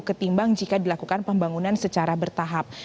ketimbang jika dilakukan pembangunan secara bertahap